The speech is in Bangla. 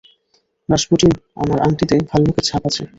রাসপুটিন, আমার আংটিতে ভাল্লুকের ছাপ আছে।